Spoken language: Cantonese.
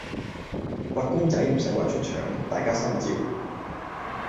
畫公仔唔駛畫出腸，大家心照